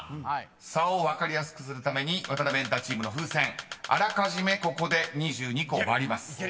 ［差を分かりやすくするためにワタナベエンタチームの風船あらかじめここで２２個割ります］